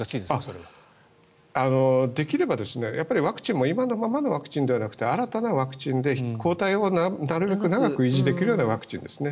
できればワクチンも今のままのワクチンではなくて新たなワクチンで抗体をなるべく長く維持できるようなワクチンですね。